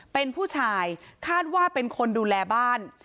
เป็นผู้ชายคาดว่าเป็นคนดูแลบ้าน